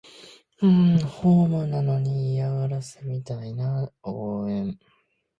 ホームなのに嫌がらせみたいな応援